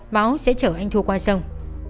mão sẽ chở anh thu qua sông